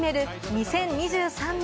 ２０２３年